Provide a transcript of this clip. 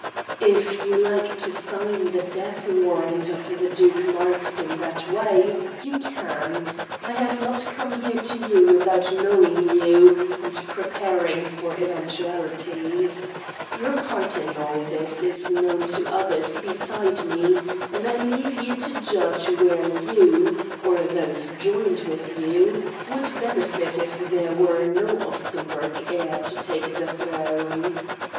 "If you like to sign the death warrant of the Duke Marx in that way, you can. I have not come here to you without knowing you, and preparing for eventualities. Your part in all this is known to others besides me, and I leave you to judge where you, or those joined with you, would benefit if there were no Ostenburg heir to take the throne.